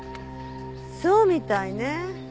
そうみたいね。